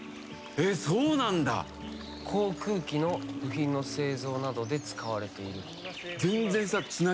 航空機の部品の製造などで使われている。